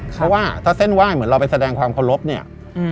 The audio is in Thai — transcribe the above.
เพราะว่าถ้าเส้นไหว้เหมือนเราไปแสดงความขอบค์